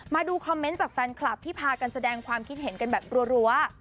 มาดูคอมเมนต์จากแฟนคลับที่พากันแสดงความคิดเห็นกันแบบรั้ว